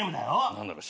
何だろう。